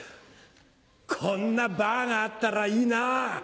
こんなバーがあったらいいな。